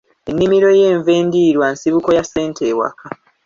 Ennimiro y'enva endiirwa nsibuko ya ssente ewaka.